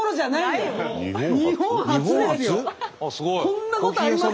こんなことあります？